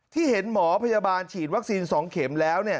ที่เห็นหมอพยาบาลฉีดวัคซีน๒เข็มแล้ว